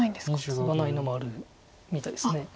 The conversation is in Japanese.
ツガないのもあるみたいです。